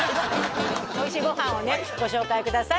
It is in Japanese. おいしいご飯をねご紹介ください